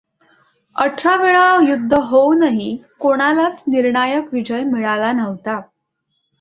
अठरावेळा युद्ध होऊनहि कोणालाच निर्णायक विजय मिळाला नव्हता.